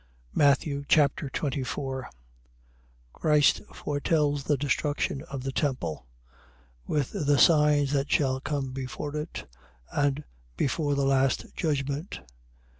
Matthew Chapter 24 Christ foretells the destruction of the temple, with the signs that shall come before it and before the last judgment.